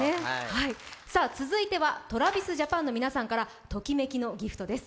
続いてはＴｒａｖｉｓＪａｐａｎの皆さんからときめきのＧＩＦＴです。